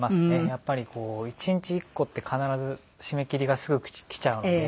やっぱり一日一個って必ず締め切りがすぐ来ちゃうので。